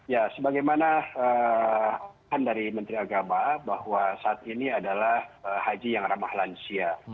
ya sebagaimana dari menteri agama bahwa saat ini adalah haji yang ramah lansia